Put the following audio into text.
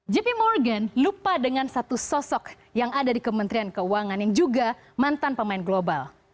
jp morgan lupa dengan satu sosok yang ada di kementerian keuangan yang juga mantan pemain global